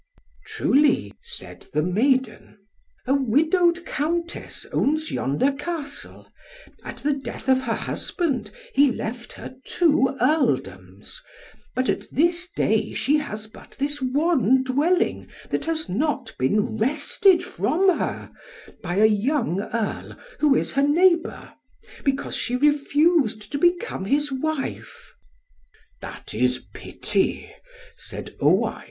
"Truly," said the maiden, "a widowed Countess owns yonder Castle; at the death of her husband, he left her two Earldoms, but at this day she has but this one dwelling that has not been wrested from her, by a young Earl, who is her neighbour, because she refused to become his wife." "That is pity," said Owain.